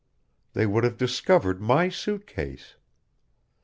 They would have discovered my suit case.